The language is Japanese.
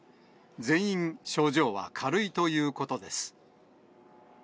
全員、症状は軽いということです。